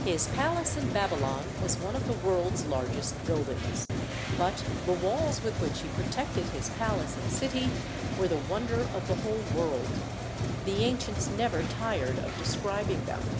His palace in Babylon was one of the world's largest buildings, but the walls with which he protected his palace and city were the wonder of the whole world. The ancients never tired of describing them.